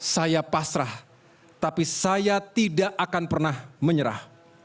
saya pasrah tapi saya tidak akan pernah menyerah